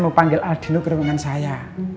saya mau panggil adilu ke ruangan saya